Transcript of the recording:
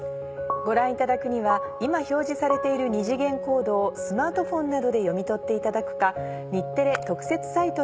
ご覧いただくには今表示されている二次元コードをスマートフォンなどで読み取っていただくか。